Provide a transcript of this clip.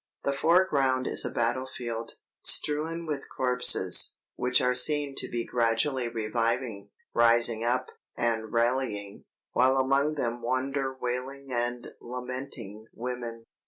The foreground is a battle field, strewn with corpses, which are seen to be gradually reviving, rising up, and rallying, while among them wander wailing and lamenting women."